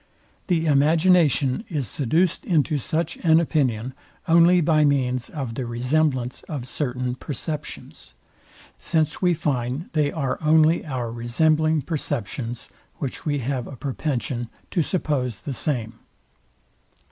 The imagination is seduced into such an opinion only by means of the resemblance of certain perceptions; since we find they are only our resembling perceptions, which we have a propension to suppose the same.